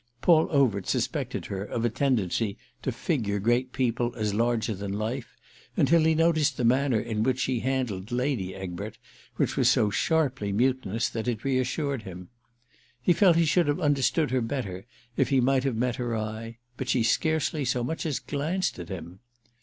Paul Overt suspected her of a tendency to figure great people as larger than life, until he noticed the manner in which she handled Lady Egbert, which was so sharply mutinous that it reassured him. He felt he should have understood her better if he might have met her eye; but she scarcely so much as glanced at him.